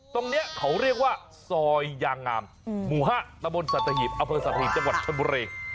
ตรงเนี้ยเขาเรียกว่าซอยยางงามหมูหะตะบนสัตวิทย์อเวิลสัตวิทย์จังหวัดชนบุรี